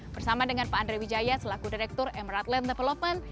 bersama dengan pak andre wijaya selaku direktur emerald land development